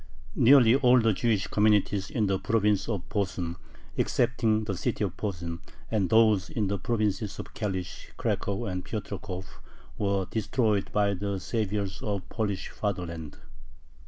Nearly all the Jewish communities in the province of Posen, excepting the city of Posen, and those in the provinces of Kalish, Cracow, and Piotrkov, were destroyed by the saviors of the Polish fatherland.